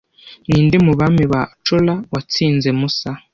Ninde mu bami ba Chola watsinze musa